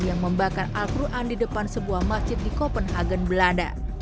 yang membakar al quran di depan sebuah masjid di copenhagen belanda